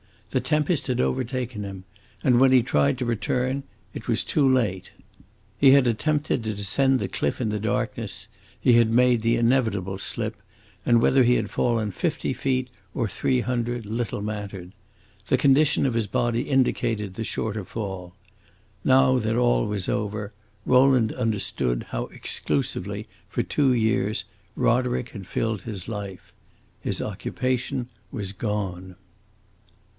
The tempest had overtaken him, and when he tried to return, it was too late. He had attempted to descend the cliff in the darkness, he had made the inevitable slip, and whether he had fallen fifty feet or three hundred little mattered. The condition of his body indicated the shorter fall. Now that all was over, Rowland understood how exclusively, for two years, Roderick had filled his life. His occupation was gone.